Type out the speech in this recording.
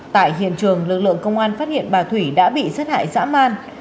tại hiện trường lực lượng công an phát hiện bà thủy đã bị sát hại dã man